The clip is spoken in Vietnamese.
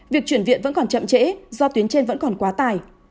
việc chuyển viện vẫn còn chậm trễ do tuyến trên vẫn còn quá tài